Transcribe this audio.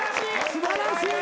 素晴らしい。